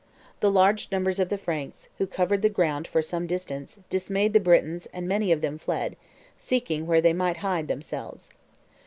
The large numbers of the Franks, who covered the ground for some distance, dismayed the Britons, and many of them fled, seeking where they might hide themselves.